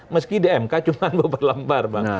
meski di mk cuma beberapa lembar bang